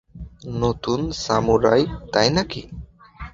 নতুন সামুরাই, তাই নাকি?